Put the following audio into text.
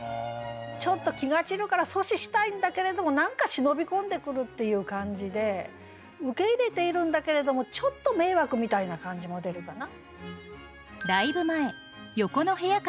ちょっと気が散るから阻止したいんだけれども何か忍び込んでくるっていう感じで受け入れているんだけれどもちょっと迷惑みたいな感じも出るかな。